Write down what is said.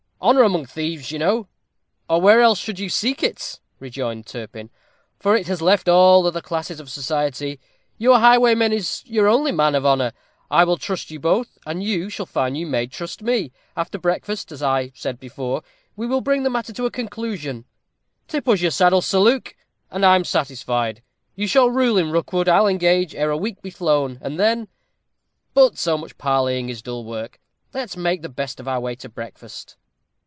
Honor among thieves, you know." "Or where else should you seek it?" rejoined Turpin; "for it has left all other classes of society. Your highwayman is your only man of honor. I will trust you both; and you shall find you may trust me. After breakfast, as I said before, we will bring the matter to a conclusion. Tip us your daddle, Sir Luke, and I am satisfied. You shall rule in Rookwood, I'll engage, ere a week be flown; and then But so much parleying is dull work; let's make the best of our way to breakfast."